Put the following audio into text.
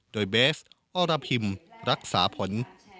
โดยเบสอรพิมรักษาผล